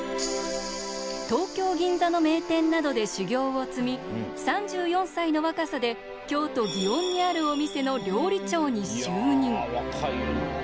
東京・銀座の名店などで修業を積み３４歳の若さで京都・祇園にあるお店の料理長に就任。